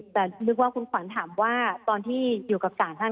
แต่นึกว่าคุณขวัญถามว่าตอนที่อยู่กับสารท่าน